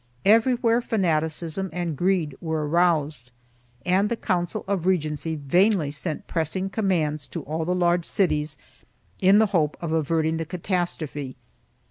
Everywhere fanaticism and greed were aroused and the Council of Regency vainly sent pressing commands to all the large cities, in the hope of averting the catastrophe.